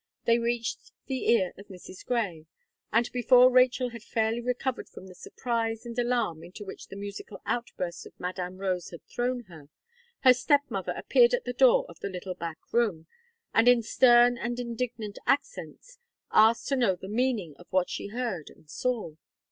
They reached the ear of Mrs. Gray; and before Rachel had fairly recovered from the surprise and alarm into which the musical outburst of Madame Rose had thrown her, her step mother appeared at the door of the little back room, and, in stern and indignant accents, asked to know the meaning of what she heard and saw.